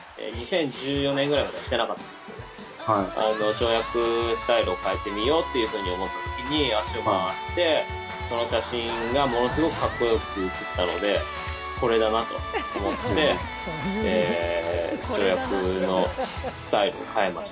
跳躍スタイルを変えてみようっていうふうに思った時に足を回してその写真がものすごくカッコよく写ったのでこれだなと思って跳躍のスタイルを変えましたね。